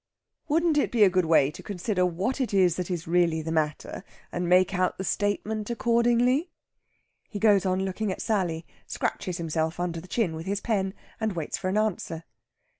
"Wouldn't it be a good way to consider what it is that is really the matter, and make out the statement accordingly?" He goes on looking at Sally, scratches himself under the chin with his pen, and waits for an answer.